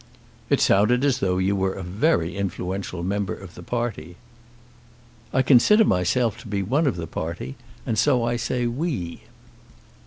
"It sounded as though you were a very influential member of the party." "I consider myself to be one of the party, and so I say 'We.'"